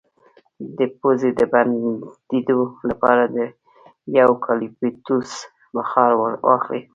د پوزې د بندیدو لپاره د یوکالیپټوس بخار واخلئ